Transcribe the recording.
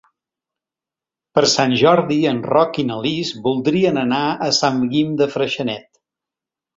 Per Sant Jordi en Roc i na Lis voldrien anar a Sant Guim de Freixenet.